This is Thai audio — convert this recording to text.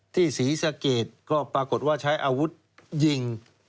ศรีสะเกดก็ปรากฏว่าใช้อาวุธยิง